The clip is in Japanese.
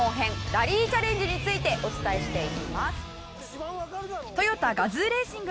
ラリーチャレンジについてお伝えしていきます。